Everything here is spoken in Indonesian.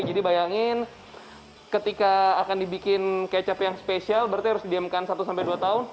jadi bayangin ketika akan dibikin kecap yang spesial berarti harus didiamkan satu dua tahun